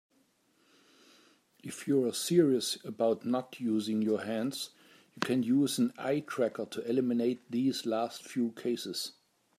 If you're serious about not using your hands, you can use an eye tracker to eliminate these last few cases.